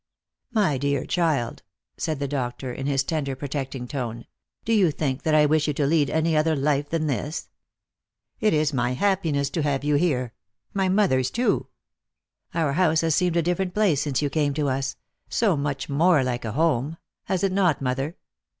"My dear child," said the doctor in his tender protecting tone, " do you think that I wish you to lead any other life than this ? It is my happiness to see you here, my mother's too. Our house has seemed a different place since you came to us — so much more like a home. Has it not, mother